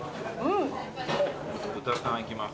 豚タンいきます。